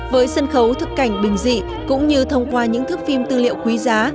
với sân khấu thức cảnh bình dị cũng như thông qua những thức phim tư liệu quý giá